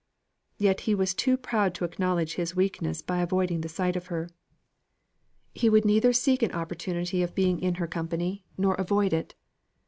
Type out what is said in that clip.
Yet he was too proud to acknowledge his weakness by avoiding the sight of her. He would neither seek an opportunity of being in her company nor avoid it.